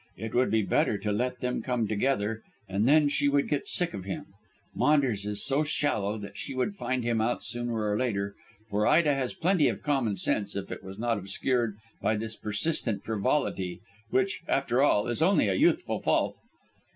"It would be better to let them come together, and then she would get sick of him. Maunders is so shallow that she would find him out sooner or later, for Ida has plenty of common sense if it was not obscured by this persistent frivolity, which, after all, is only a youthful fault."